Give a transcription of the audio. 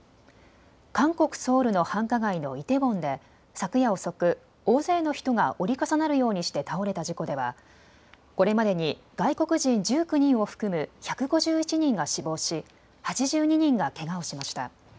韓国・ソウルの繁華街のイテウォンで昨夜遅く大勢の人が折り重なるようにして倒れた事故ではこれまでに外国人１９人を含む１５１人が死亡し８２人がけがをしました。